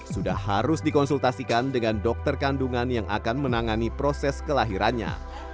sudah harus dikonsultasikan dengan dokter kandungan yang akan menangani proses kelahirannya